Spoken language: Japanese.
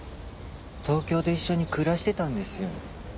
東京で一緒に暮らしてたんですよ。